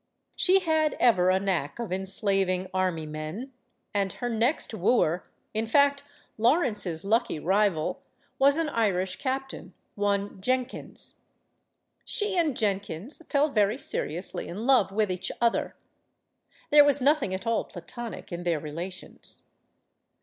She had ever a knack of enslaving army men, and her next wooer in fact, Lawrence's lucky rival was an Irish captain, one Jenkins. She and Jenkins fell very seriously in love with each other. There was nothing at all platonic in their relations.